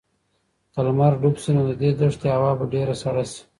که لمر ډوب شي نو د دې دښتې هوا به ډېره سړه شي.